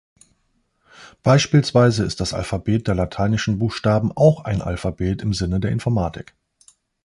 Beispielsweise ist das Alphabet der lateinischen Buchstaben auch ein Alphabet im Sinne der Informatik.